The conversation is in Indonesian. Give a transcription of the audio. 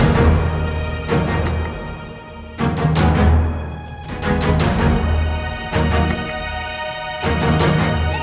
udah balik aja balik